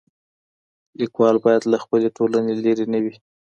ليکوال بايد له خپلي ټولني لیري نه وي.